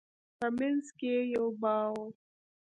په منځ کښې يې يو باغ و.